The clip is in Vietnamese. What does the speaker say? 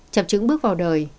chập chứng bước vào đời